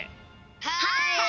はい！